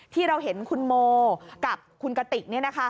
ที่เราเห็นคุณโมกับคุณกติก